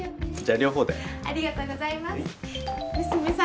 両方で・ありがとうございます娘さん